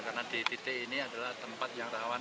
karena dtt ini adalah tempat yang sangat penting